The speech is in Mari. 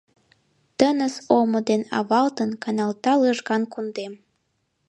Тыныс омо ден авалтын, Каналта лыжган кундем.